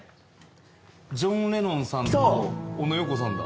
ジョン・レノンさんとオノ・ヨーコさんだ。